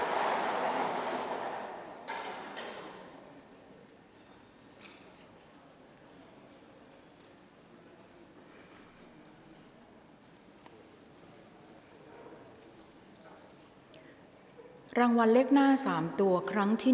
รางวัลเลขหน้า๓ตัวครั้งที่๑